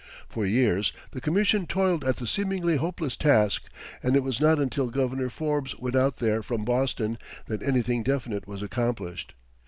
For years the Commission toiled at the seemingly hopeless task, and it was not until Governor Forbes went out there from Boston that anything definite was accomplished.